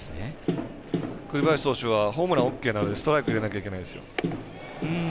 栗林投手はホームランＯＫなのでストライク入れなきゃいけないですよ。